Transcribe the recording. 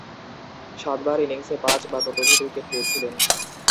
সাতবার ইনিংসে পাঁচ বা ততোধিক উইকেট পেয়েছিলেন।